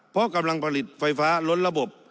เพราะกำลังผลิตไฟฟ้าล้นระบบ